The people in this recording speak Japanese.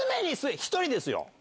１人ですよ。